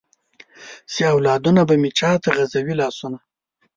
چې اولادونه به مې چاته غزوي لاسونه ؟